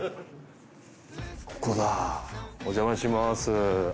お邪魔します。